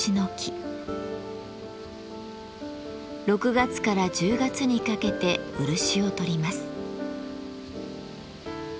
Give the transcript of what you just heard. ６月から１０月にかけて漆をとります。